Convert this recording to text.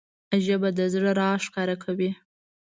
ژبه د زړه راز ښکاره کوي